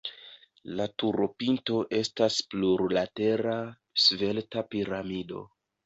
La turopinto estas plurlatera svelta piramido.